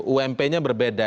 ump nya berbeda